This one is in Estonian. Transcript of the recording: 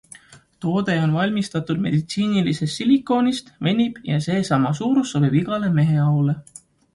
Toode on valmistatud meditsiinilisest silikoonist, venib ja seesama suurus sobib igale meheaule.